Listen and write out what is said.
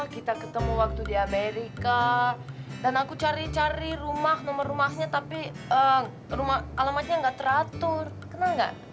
kita ketemu waktu di amerika dan aku cari cari rumah nomor rumahnya tapi rumah alamatnya gak teratur kenal enggak